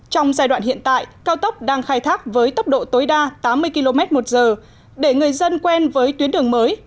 trong giai đoạn hiện tại cao tốc đang khai thác với tốc độ tối đa tám mươi km một giờ để người dân quen với tuyến đường mới